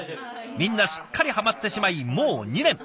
みんなすっかりはまってしまいもう２年。